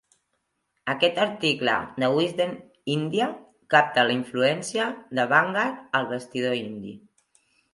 Aquest article de Wisden India capta la influència de Bangar al vestidor indi.